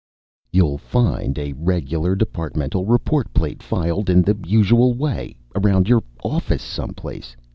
"You'll find a regular departmental report plate filed in the usual way, around your office someplace.